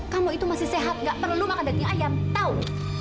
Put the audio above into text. kamu itu masih sehat gak perlu makan daging ayam tahu